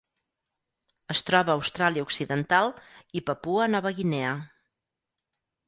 Es troba a Austràlia Occidental i Papua Nova Guinea.